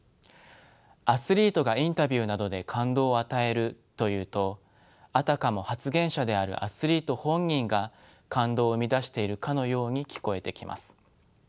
アスリートがインタビューなどで「感動を与える」と言うとあたかも発言者であるアスリート本人が感動を生み出しているかのように聞こえてきます。